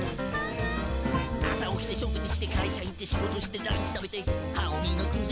「朝起きて食事して会社行って仕事してランチ食べて歯をみがくぜ」